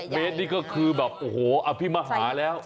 เมตรนี่ก็คือแบบโอ้โหอภิมหาแล้ว